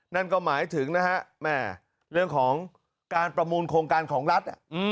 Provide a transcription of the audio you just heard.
นั่นก็หมายถึงนะฮะแม่เรื่องของการประมูลโครงการของรัฐ